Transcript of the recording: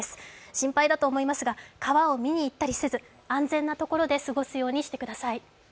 心配だと思いますが、川を見に行ったりせず、安全なところで過ごすようにしてください。